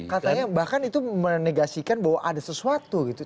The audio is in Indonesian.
katanya bahkan itu menegasikan bahwa ada sesuatu gitu